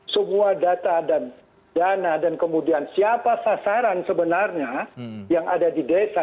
semua data dan dana dan kemudian siapa sasaran sebenarnya yang ada di desa